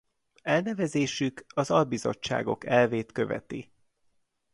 Elnevezésük az albizottságok elvét követi.